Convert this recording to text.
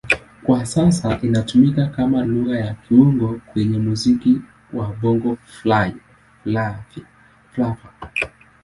Kwa sasa inatumika kama Lugha ya kiungo kwenye muziki wa Bongo Flava.